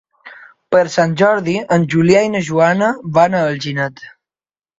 Per Sant Jordi en Julià i na Joana van a Alginet.